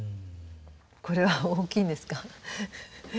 これは大きいんですか？